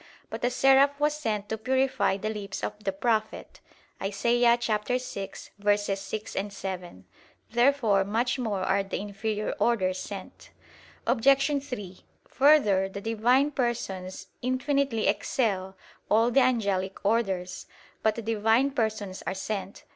But a Seraph was sent to purify the lips of the prophet (Isa. 6:6, 7). Therefore much more are the inferior orders sent. Obj. 3: Further, the Divine Persons infinitely excel all the angelic orders. But the Divine Persons are sent.